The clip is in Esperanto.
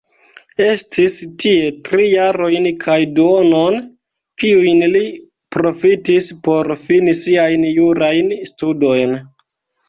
Estis tie tri jarojn kaj duonon, kiujn li profitis por fini siajn jurajn studojn.